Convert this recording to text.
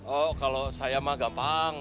oh kalau saya mah gampang